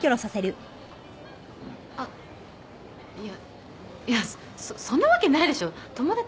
あっいやいやそそんなわけないでしょ友達